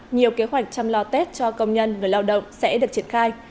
nhiều kế hoạch chăm lo tết cho công nhân người lao động sẽ được triển khai